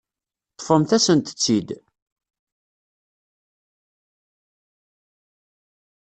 Ṭṭfemt-asent-tt-id.